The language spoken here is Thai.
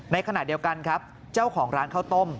ในขณะเดียวกันครับเจ้าของร้านข้าวต้ม